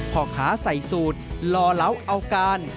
พ่อค้าใส่สูตรลอเหลาเอาการ